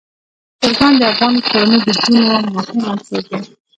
چرګان د افغان کورنیو د دودونو مهم عنصر دی.